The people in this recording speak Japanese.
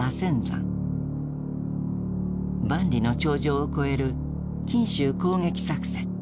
万里の長城を越える錦州攻撃作戦。